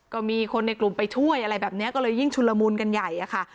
ก็มีคนในกลุ่มไปช่วยอะไรแบบนี้ก็เลยยิ่งชุนละมุนกันใหญ่อะค่ะ